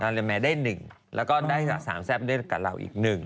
การแรมมีย์ได้หนึ่งแล้วก็ได้สามแซ่บด้วยกับเราอีกหนึ่ง